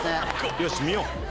よし見よう。